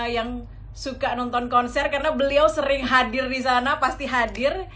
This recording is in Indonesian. yang suka nonton konser karena beliau sering hadir di sana pasti hadir